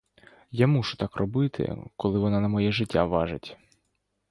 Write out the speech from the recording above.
Я мушу так робити, коли вона на моє життя важить.